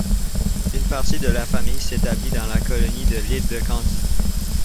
Une partie de la famille s'établit dans la colonie de l'île de Candie.